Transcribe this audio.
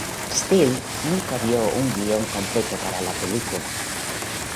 Steele nunca vio un guion completo para la película.